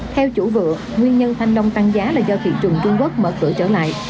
theo chủ vựa nguyên nhân thanh nông tăng giá là do thị trường trung quốc mở cửa trở lại